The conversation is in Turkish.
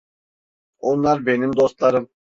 Onlar benim dostlarım.